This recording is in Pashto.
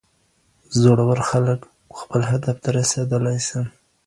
زړور خلګ خپل هدف ته رسیدلی سي.